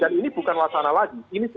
dan ini bukan wakana lagi